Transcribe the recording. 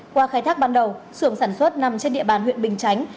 qua khai thác ban đầu sưởng sản xuất nằm trên địa bàn huyện bình chánh